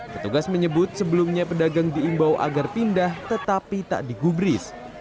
petugas menyebut sebelumnya pedagang diimbau agar pindah tetapi tak digubris